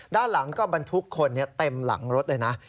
ด้านหลังก็บรรทุกคนเต็มหลังรถเลยนะ